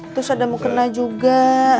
terus ada mukena juga